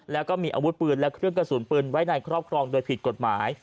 แล้วก็มีอาวุธปืนและเครื่องกระสุนปืนไว้ในครอบครองโดยผิดกฎหมาย